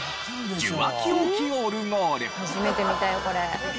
初めて見たよこれ。